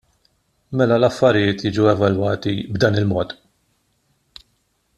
Mela l-affarijiet jiġu evalwati b'dan il-mod?